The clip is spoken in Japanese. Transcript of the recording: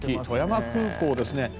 富山空港ですね。